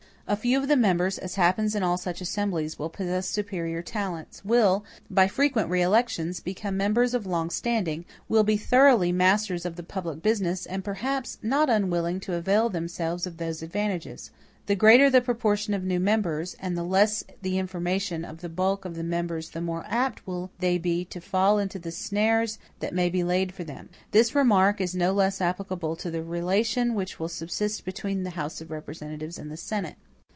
A few of the members, as happens in all such assemblies, will possess superior talents; will, by frequent reelections, become members of long standing; will be thoroughly masters of the public business, and perhaps not unwilling to avail themselves of those advantages. The greater the proportion of new members, and the less the information of the bulk of the members the more apt will they be to fall into the snares that may be laid for them. This remark is no less applicable to the relation which will subsist between the House of Representatives and the Senate.